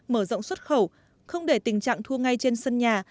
mở rộng xuất khẩu không để tình trạng thua ngay trên sân nhà